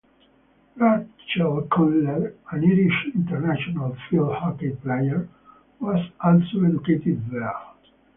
Rachael Kohler, an Irish International field hockey player, was also educated there.